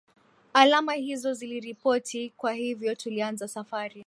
alama hizo ziliripoti kwa hivyo tulianza safari